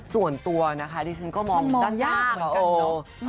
ส่วนตัวนะคะดิฉันก็มองด้านยากเหมือนกันเนอะ